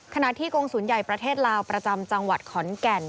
ที่กรงศูนย์ใหญ่ประเทศลาวประจำจังหวัดขอนแก่น